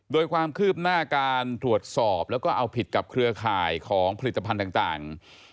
โดยความคืบหน้าการตรวจสอบแล้วก็เอาผิดกับเครือข่ายของผลิตภัณฑ์ต่าง